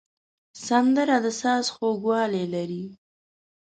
سندره د ساز خوږوالی لري